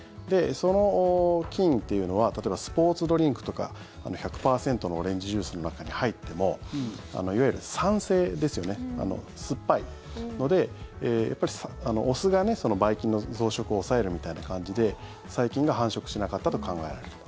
その菌っていうのは例えばスポーツドリンクとか１００％のオレンジジュースの中に入ってもいわゆる酸性ですよね酸っぱいのでお酢がばい菌の増殖を抑えるみたいな感じで細菌が繁殖しなかったと考えられる。